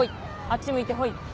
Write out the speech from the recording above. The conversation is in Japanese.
あっち向いてほい。